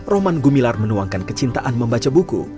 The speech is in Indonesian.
roman gumilar menuangkan kecintaan membaca buku